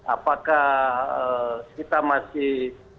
apakah kita masih